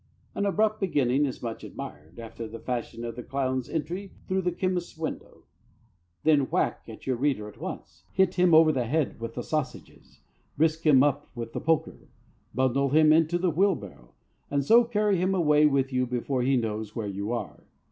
An abrupt beginning is much admired, after the fashion of the clown's entry through the chemist's window. Then whack at your reader at once, hit him over the head with the sausages, brisk him up with the poker, bundle him into the wheelbarrow, and so carry him away with you before he knows where you are.